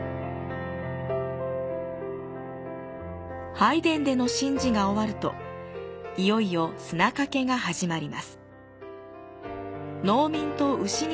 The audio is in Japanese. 拝殿での神事が終るといよいよ砂かけが始まります。